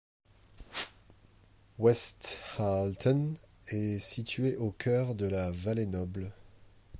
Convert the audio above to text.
Westhalten est située au cœur de la Vallée Noble.